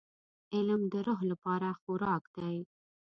• علم د روح لپاره خوراک دی.